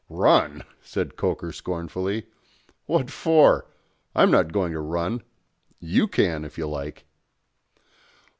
"Run!" said Coker scornfully. "What for? I'm not going to run. You can, if you like."